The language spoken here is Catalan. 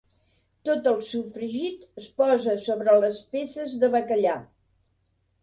Tot el sofregit es posa sobre les peces de bacallà.